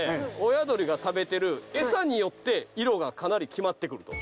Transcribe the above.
親鳥が食べてる餌によって色がかなり決まってくると。